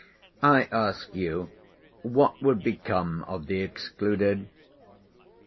"I ask you, what would become of the excluded?